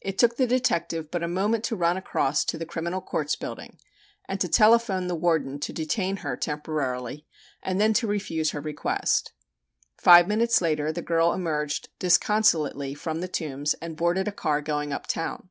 It took the detective but a moment to run across to the Criminal Courts Building and to telephone the warden to detain her temporarily and then to refuse her request. Five minutes later the girl emerged disconsolately from the Tombs and boarded a car going uptown.